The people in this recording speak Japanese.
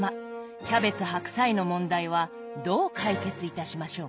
キャベツ・白菜の問題はどう解決いたしましょうか？